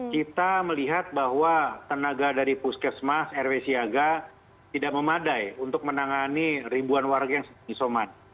kita melihat bahwa tenaga dari puskesmas rw siaga tidak memadai untuk menangani ribuan warga yang sedang isoman